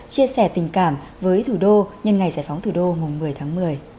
chia sẻ tình cảm với thủ đô nhân ngày giải phóng thủ đô mùng một mươi tháng một mươi